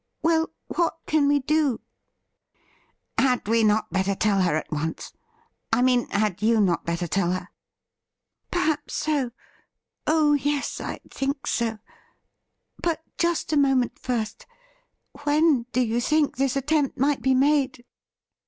Well, what can we do i*' ' Had we not better tell her at once ? I mean, had you not better tell her .■"' Perhaps so — oh yes, I think so. But just a moment first. When do you think this attempt might be made